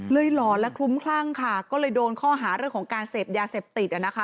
หลอนและคลุ้มคลั่งค่ะก็เลยโดนข้อหาเรื่องของการเสพยาเสพติดอ่ะนะคะ